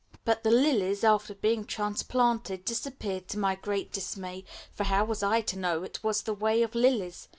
But the lilies, after being transplanted, disappeared to my great dismay, for how was I to know it was the way of lilies?